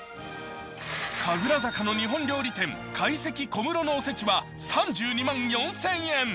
神楽坂の日本料理店、懐石小室のおせちは３２万４０００円。